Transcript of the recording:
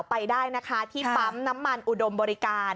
ไปได้นะคะที่ปั๊มน้ำมันอุดมบริการ